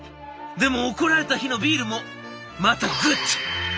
でも怒られた日のビールもまたグッド！」。